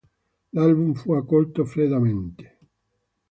L'album fu accolto freddamente.